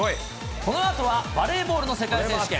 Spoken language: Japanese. このあとはバレーボールの世界選手権。